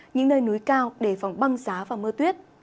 những nơi núi cao đề phòng băng giá và mưa tuyết